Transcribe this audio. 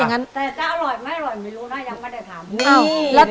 ยังไม่ได้ทำ